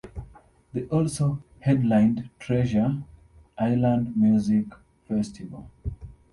They also headlined Treasure Island Music Festival.